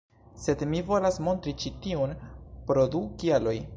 Sed mi volas montri ĉi tiun pro du kialoj